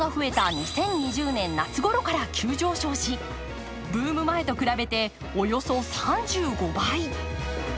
２０２０年夏ごろから急上昇しブーム前と比べておよそ３５倍。